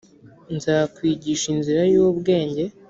nzakwigisha inzira y ubwenge